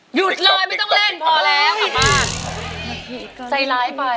หยุดลอยไม่ต้องเล่นพอแล้ว